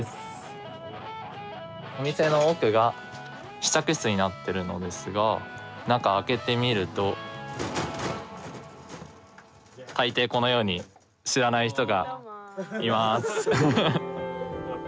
試着室になっているのですが、中開けてみると、たいていこのように、知らない人がいます。